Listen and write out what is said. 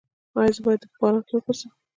ایا زه باید په باران کې وګرځم؟